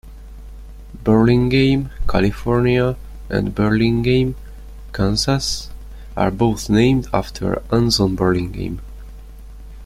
Burlingame, California, and Burlingame, Kansas, are both named after Anson Burlingame.